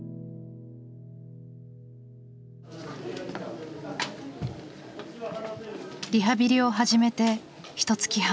だからリハビリを始めてひとつき半。